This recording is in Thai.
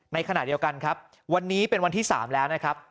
ในขณะเดียวกันครับวันนี้เป็นวันที่๓แล้วนะครับ